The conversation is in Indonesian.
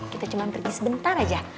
kita cuma pergi sebentar aja